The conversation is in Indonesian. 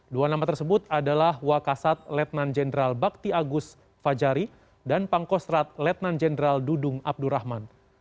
dua nama tersebut adalah wakasat lieutenant general bakti agus fajari dan pangkostrat lieutenant general dudung abdurrahman